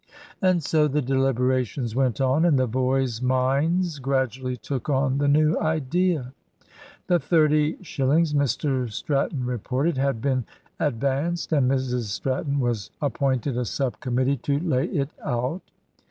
And so the deliberations went on, and the boys' minds gradually took on the new idea. The thirty shillings, Mr Stratton reported, had been advanced, and Mrs Stratton was appointed a subcommittee to lay it out.